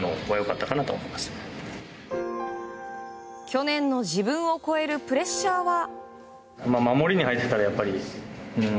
去年の自分を超えるプレッシャーは？